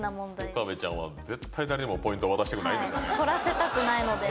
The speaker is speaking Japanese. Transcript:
岡部ちゃんは絶対誰にもポイントを渡したくないんですね。